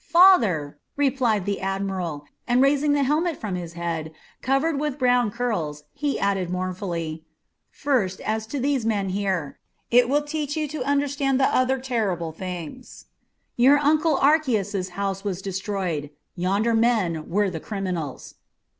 "Father," replied the admiral, and raising the helmet from his head, covered with brown curls, he added mournfully: "First as to these men here. It will teach you to understand the other terrible things. Your Uncle Archias's house was destroyed; yonder men were the criminals."